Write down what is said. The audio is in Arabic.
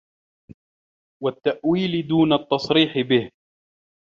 وَالتَّأْوِيلِ دُونَ التَّصْرِيحِ بِهِ